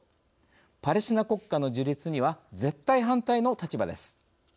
パレスチナ国家の樹立には絶対反対の立場です。